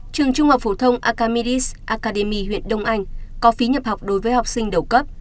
trường trung học phổ thông akamidis acadymy huyện đông anh có phí nhập học đối với học sinh đầu cấp